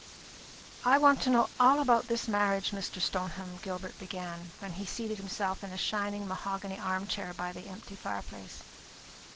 "I want to know all about this marriage, Mr. Stoneham," Gilbert began, when he had seated himself in a shining mahogany arm chair by the empty fire place.